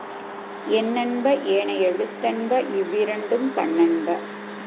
எண்ணென்ப ஏனை எழுத்தென்ப இவ்விரண்டும் கண்ணென்ப..